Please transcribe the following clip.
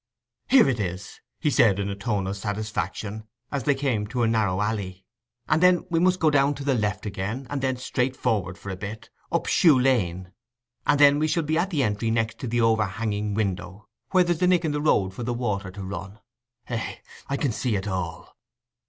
"Here it is," he said, in a tone of satisfaction, as they came to a narrow alley. "And then we must go to the left again, and then straight for'ard for a bit, up Shoe Lane: and then we shall be at the entry next to the o'erhanging window, where there's the nick in the road for the water to run. Eh, I can see it all."